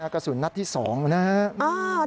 กระสุนนัดที่๒นะครับ